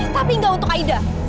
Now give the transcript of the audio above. tapi gak untuk aida